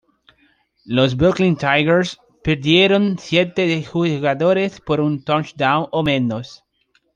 Los Brooklyn Tigers perdieron siete de sus juegos por un touchdown o menos.